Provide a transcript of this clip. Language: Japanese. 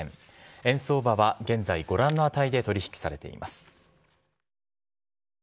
円相場は現在、ご覧の値で取り引きされています。